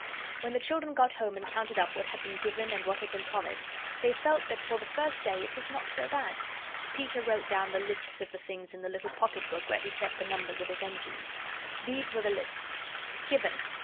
When the children got home and counted up what had been given and what had been promised, they felt that for the first day it was not so bad. Peter wrote down the lists of the things in the little pocket book where he kept the numbers of his engines. These were the lists: GIVEN.